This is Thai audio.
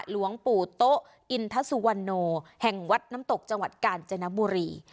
หลวงปู่โต๊ะอินทสุวรรณโนแห่งวัดน้ำตกจังหวัดกาญจนบุรี